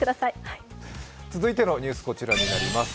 続いてのニュース、こちらになります。